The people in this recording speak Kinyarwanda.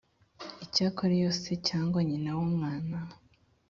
icyakora iyo se cyangwa nyina w umwana